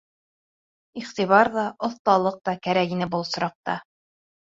Иғтибар ҙа, оҫталыҡ та кәрәк ине был осраҡта.